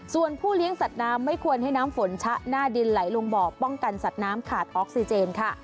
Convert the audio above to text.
ส่วนผู้เลี้ยงสัตว์น้ำไม่ควรให้น้ำฝนชะหน้าดินไหลลงบ่อป้องกันสัตว์น้ำขาดออกซิเจนค่ะ